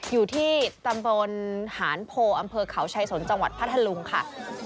อยู่ที่ตำบลหานโพอำเภอเขาชายสนจังหวัดพัทธลุงค่ะ